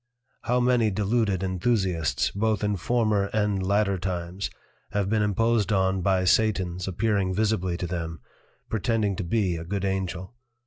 How many deluded Enthusiasts both in former and latter times have been imposed on by Satans appearing visibly to them, pretending to be a good Angel.